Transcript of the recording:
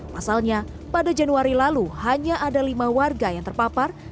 pasalnya pada januari lalu hanya ada lima warga yang terpapar